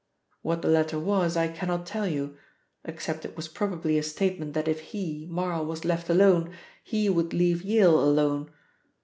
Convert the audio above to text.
What the letter was I cannot tell you, except it was probably a statement that if he, Marl, was left alone, he would leave Yale alone.